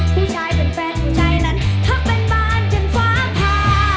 ผู้ชายเป็นแฟนผู้ชายนั้นทำเป็นบ้านจนฟ้าผ่า